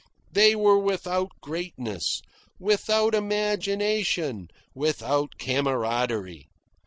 They were without greatness, without imagination, without camaraderie.